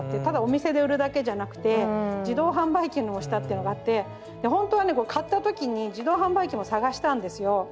ただお店で売るだけじゃなくて自動販売機のを推したっていうのがあってでほんとはねこれ買った時に自動販売機も探したんですよ